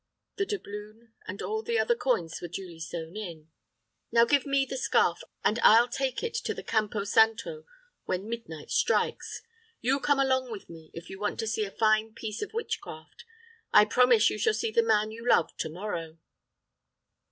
The doubloon and all the other coins were duly sewn in. "Now give me the scarf, and I'll take it to the Campo Santo when midnight strikes. You come along with me, if you want to see a fine piece of witchcraft. I promise you shall see the man you love to morrow!"